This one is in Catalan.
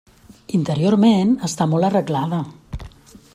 Interiorment està molt arreglada.